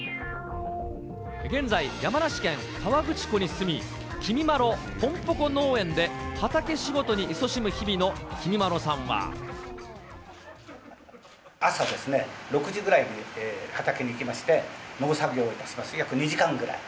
現在、山梨県河口湖に住み、きみまろポンポコ農園で、畑仕事にいそしむ日々のきみまろさんは。朝ですね、６時ぐらいに畑に行きまして、農作業をいたします、約２時間ぐらい。